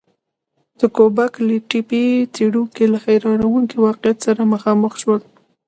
د ګوبک لي تپې څېړونکي له حیرانوونکي واقعیت سره مخامخ شول.